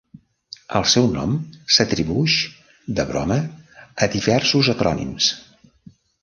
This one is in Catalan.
El seu nom s'atribuïx de broma a diversos acrònims.